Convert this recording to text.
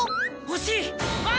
惜しい！